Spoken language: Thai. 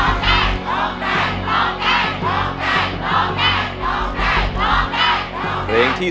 ร้องได้ร้องได้ร้องได้ร้องได้